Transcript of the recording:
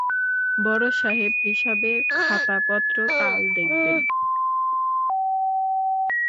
বড়োসাহেব হিসাবের খাতাপত্র কাল দেখবেন।